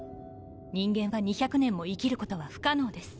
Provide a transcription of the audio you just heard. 人間は２００年も生きることは不可能です。